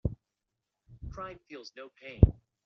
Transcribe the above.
Pride feels no pain.